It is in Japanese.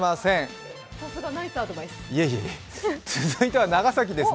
続いては長崎です。